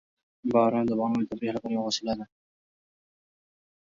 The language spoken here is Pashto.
باران د افغانانو د تفریح لپاره یوه وسیله ده.